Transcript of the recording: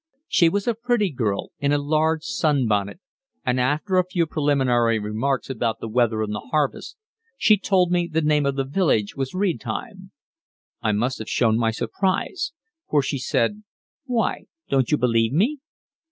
She was a pretty girl in a large sun bonnet, and after a few preliminary remarks about the weather and the harvest, she told me the name of the village was Riedheim. I must have shown my surprise, for she said, "Why, don't you believe me?"